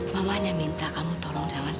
mamanya minta kamu tolong jangan